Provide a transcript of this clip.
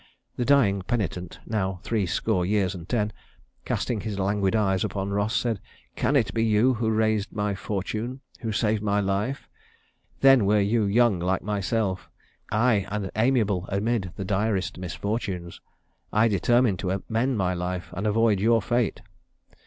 The dying penitent, now three score years and ten, casting his languid eyes upon Ross, said, 'Can it be you who raised my fortune who saved my life? Then were you young like myself; ay, and amiable amid the direst misfortunes. I determined to amend my life, and avoid your fate.'